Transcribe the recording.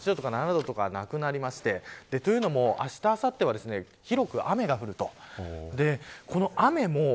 あした以降は、３７度とかはなくなってというのもあした、あさっては広く雨が降ると。